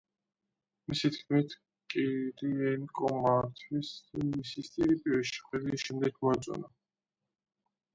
მისი თქმით, კირიენკო და მართვის მისი სტილი პირველი შეხვედრის შემდეგ მოეწონა.